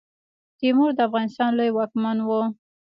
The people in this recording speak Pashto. تیمور د افغانستان لوی واکمن وو.